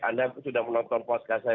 anda sudah menonton poska saya